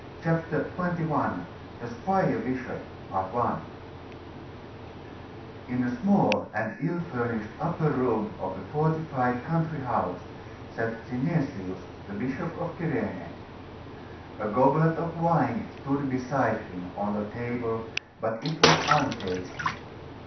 CHAPTER XXI: THE SQUIRE BISHOP In a small and ill furnished upper room of a fortified country house, sat Synesius, the Bishop of Cyrene. A goblet of wine stood beside him, on the table, but it was untasted.